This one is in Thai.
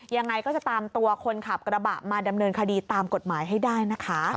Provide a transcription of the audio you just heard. ยังไงก็จะตามตัวคนขับกระบะมาดำเนินคดีตามกฎหมายให้ได้นะคะ